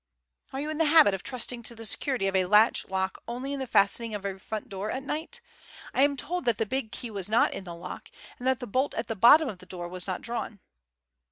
"Are you in the habit of trusting to the security of a latch lock only in the fastening of your front door at night? I am told that the big key was not in the lock, and that the bolt at the bottom of the door was not drawn."